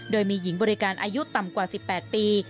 โดยมีหญิงบริการอายุต่ำกว่า๑๘ปี